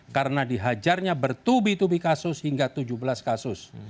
karena dihajarnya bertubi tubi kasus hingga tujuh belas kasus